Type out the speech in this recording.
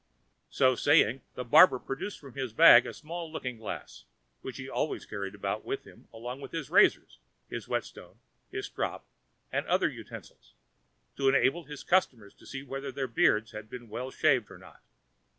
So saying the barber produced from his bag a small looking glass, which he always carried about with him along with his razors, his whet stone, his strop and other utensils, to enable his customers to see whether their beards had been well shaved or not.